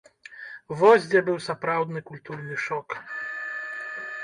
Вось дзе быў сапраўдны культурны шок!